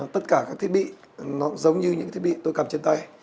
tất cả các thiết bị nó giống như những thiết bị tôi cằn trên tay